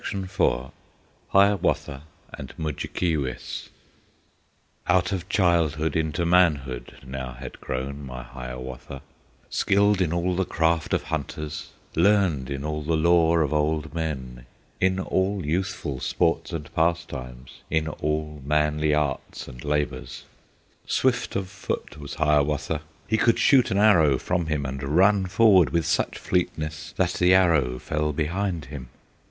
IV Hiawatha and Mudjekeewis Out of childhood into manhood Now had grown my Hiawatha, Skilled in all the craft of hunters, Learned in all the lore of old men, In all youthful sports and pastimes, In all manly arts and labors. Swift of foot was Hiawatha; He could shoot an arrow from him, And run forward with such fleetness, That the arrow fell behind him!